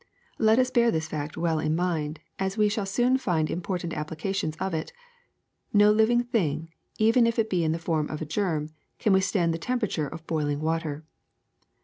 Let us bear this fact well in mind, as we shall soon find important applications of it; no live thing, even if it be in the form of a germ, can withstand the temperature of boiling water.